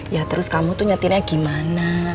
ya terus kamu tuh nyetirnya gimana